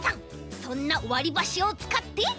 そんなわりばしをつかって。